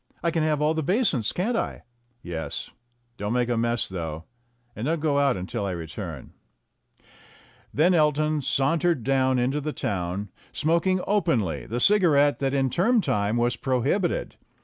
I can have all the basins, can't I?" "Yes. Don't make any mess, though; and don't go out until I return." Then Elton sauntered down into the town, smoking openly the cigarette that in term time was prohibited.